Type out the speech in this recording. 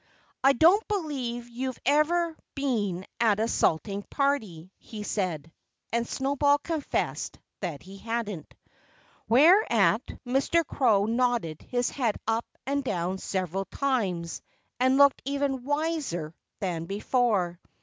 "I don't believe you've ever been at a salting party," he said. And Snowball confessed that he hadn't. Whereat Mr. Crow nodded his head up and down several times and looked even wiser than before.